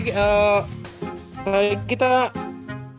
kita sempet nyinggung tentang all star ya